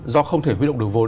do không thể huy động được vốn